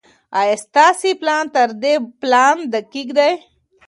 ايا ستاسي پلان تر دې پلان دقيق دی؟